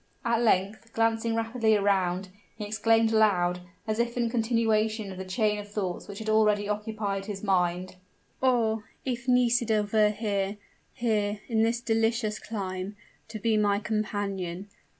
At length, glancing rapidly around, he exclaimed aloud, as if in continuation of the chain of thoughts which had already occupied his mind, "Oh, if Nisida were here here, in this delicious clime, to be my companion!